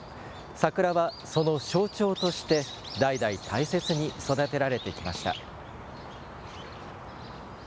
桜はその象徴として、代々大切に育てられてきました。